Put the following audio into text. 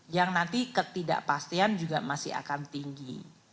yang nanti ketidakpastian juga masih akan tinggi